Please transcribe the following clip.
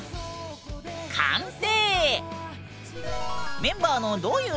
完成！